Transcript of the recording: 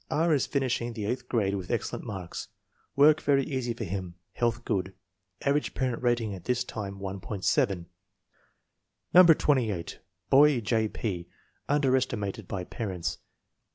R. is finishing the eighth grade with excellent marks. Work very easy for him. Health good." Average parent rating at this time, 1.70. No. 28. Boy: J. P. Underestimated by parents.